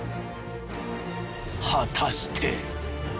果たして。